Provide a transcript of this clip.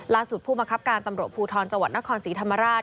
ผู้บังคับการตำรวจภูทรจังหวัดนครศรีธรรมราช